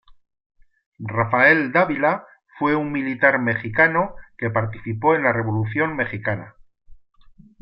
Rafael Dávila fue un militar mexicano que participó en la Revolución mexicana.